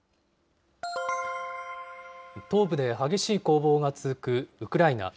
東部で激しい攻防が続くウクライナ。